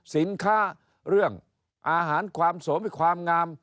สินค้าเรื่องอาหารความสวยความงาม